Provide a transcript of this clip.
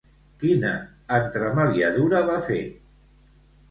Quina entremaliadura va fer?